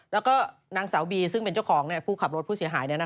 แล้วก็นางสาวบีซึ่งเป็นเจ้าของผู้ขับรถผู้เสียหาย